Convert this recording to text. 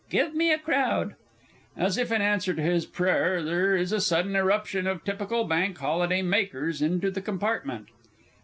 Give me a crowd [_As if in answer to this prayer, there is a sudden irruption of typical Bank Holiday makers into the compartment.